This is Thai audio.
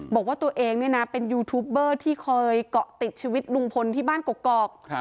บอกว่าตัวเองเนี่ยนะเป็นยูทูปเบอร์ที่เคยเกาะติดชีวิตลุงพลที่บ้านกอก